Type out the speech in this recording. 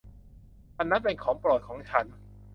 อันนั้นเป็นของโปรดของฉัน !